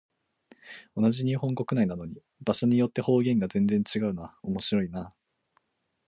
同じ日本国内なのに、場所によって方言が全然違うのは面白いなあ。